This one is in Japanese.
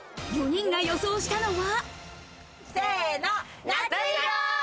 ４人が予想したのは。